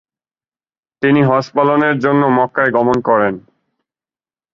তিনি হজ্জ পালনের জন্য মক্কায় গমণ করেন।